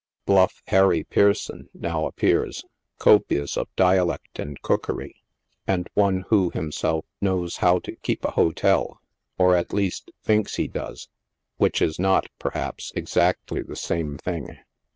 Bluff Harry Pearson now appears, copious of dialect and cookery, and one who himself " knows how to keep a hotel," or, at least, thinks he does, which i3 not, perhaps, exactly the same thing.